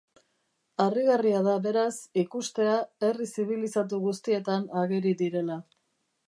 Harrigarria da, beraz, ikustea herri zibilizatu guztietan ageri direla.